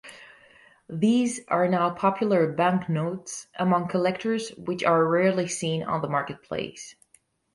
These are now popular banknotes among collectors which are rarely seen on the marketplace.